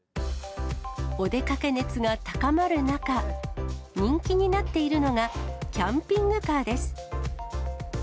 お出かけ熱が高まる中、人気になっているのが、キャンピングカーです。